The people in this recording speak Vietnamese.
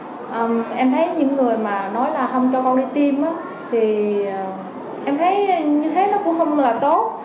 em thấy những người mà nói là không cho con đi tiêm thì em thấy như thế nó cũng không là tốt